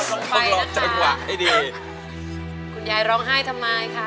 คุณยายร้องไห้ทำไมนะค่ะ